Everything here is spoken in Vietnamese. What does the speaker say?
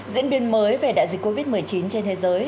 diễn biến mới về đại dịch covid một mươi chín trên thế giới